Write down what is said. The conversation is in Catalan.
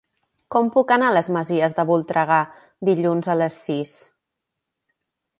Com puc anar a les Masies de Voltregà dilluns a les sis?